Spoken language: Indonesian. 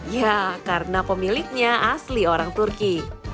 ya karena pemiliknya asli orang turki